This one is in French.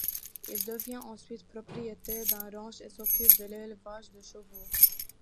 Il devient ensuite propriétaire d'un ranch et s'occupe de l'élevage de chevaux.